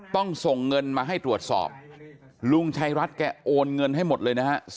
ต้องส่งเงินมาให้ตรวจสอบลุงชัยรัฐแกโอนเงินให้หมดเลยนะฮะ